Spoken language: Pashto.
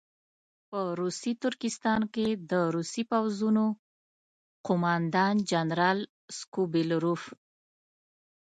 په روسي ترکستان کې د روسي پوځونو قوماندان جنرال سکوبیلروف.